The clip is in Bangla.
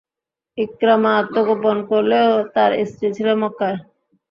ইকরামা আত্মগোপন করলেও তার স্ত্রী ছিল মক্কায়।